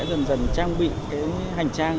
dần dần trang bị cái hành trang